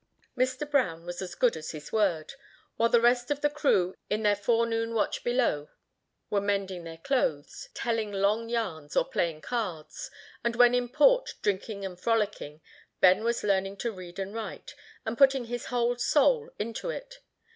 Mr. Brown was as good as his word. While the rest of the crew in their forenoon watch below were mending their clothes, telling long yarns, or playing cards, and when in port drinking and frolicking, Ben was learning to read and write, and putting his whole soul into it.